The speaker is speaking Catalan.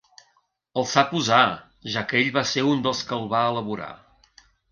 El sap usar, ja que ell va ser un dels que el va elaborar.